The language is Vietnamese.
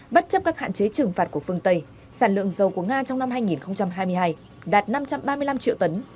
bất chấp các hạn chế trừng phạt của phương tây sản lượng dầu của nga trong năm hai nghìn hai mươi hai đạt năm trăm ba mươi năm triệu tấn